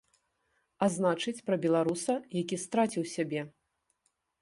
А значыць пра беларуса, які страціў сябе.